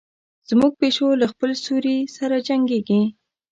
زموږ پیشو له خپل سیوري سره جنګیږي.